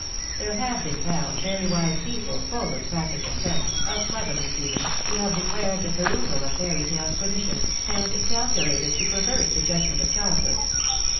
There have been found very wise people full of practical sense, of cleverness even, who have declared the perusal of fairy tales pernicious, and calculated to pervert the judg ment of childhood.